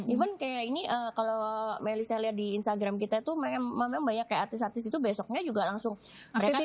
even kayak ini kalau melissa lihat di instagram kita tuh memang banyak kayak artis artis gitu besoknya juga langsung mereka